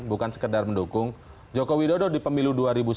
bukan sekedar mendukung jokowi dodo di pemilu dua ribu sembilan belas